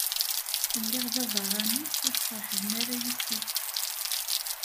Lliɣ d abeṛṛani, ur testeṛḥbem ara yes-i.